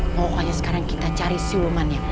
pokoknya sekarang kita cari silumannya